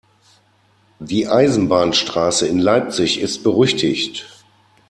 Die Eisenbahnstraße in Leipzig ist berüchtigt.